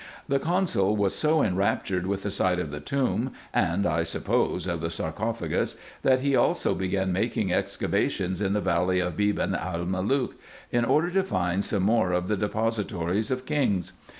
The consul was so enraptured with the sight of the tomb, and, I suppose, of the sarcophagus, that he also began making excavations in the valley of Beban el Malook, in order to find some more of the depositories of kings.